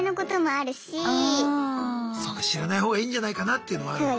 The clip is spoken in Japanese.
知らない方がいいんじゃないかなっていうのもあるんだ。